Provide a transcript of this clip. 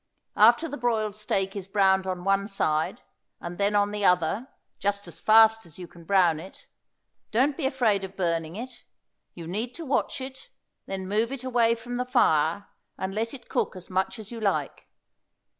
After the broiled steak is browned on one side and then on the other, just as fast as you can brown it; don't be afraid of burning it; you need to watch it; then move it away from the fire, and let it cook as much as you like.